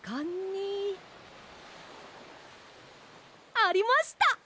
ありました！